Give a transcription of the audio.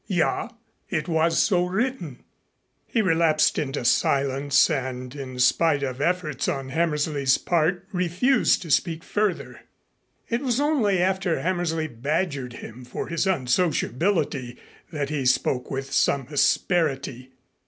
"Ja. It was so written." He relapsed into silence and in spite of efforts on Hammersley's part refused to speak further. It was only after Hammersley badgered him for his unsociability that he spoke with some asperity.